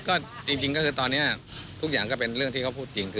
ก็จริงก็คือตอนนี้ทุกอย่างก็เป็นเรื่องที่เขาพูดจริง